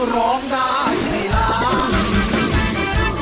ร้องได้ให้ล้าน